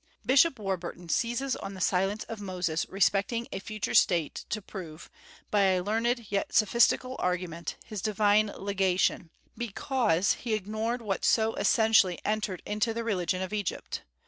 Bishop Warburton seizes on the silence of Moses respecting a future state to prove, by a learned yet sophistical argument, his divine legation, because he ignored what so essentially entered into the religion of Egypt.